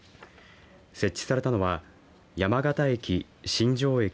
設置されたのは山形駅、新庄駅